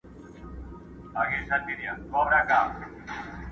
قاسمیار په زنځیر بند تړلی خوښ یم